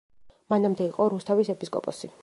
მანამდე იყო რუსთავის ეპისკოპოსი.